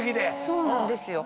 そうなんですよ。